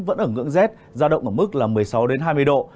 vẫn ở ngưỡng z ra động ở mức một mươi sáu hai mươi độ